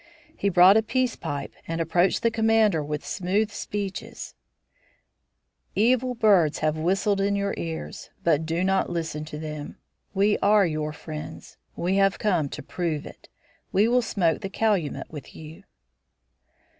He brought a peace pipe and approached the commander with smooth speeches: "Evil birds have whistled in your ears, but do not listen to them. We are your friends. We have come to prove it. We will smoke the calumet with you."